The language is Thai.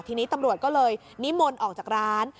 ทีนี้ตำรวจก็เลยนิมนต์ออกจากร้าน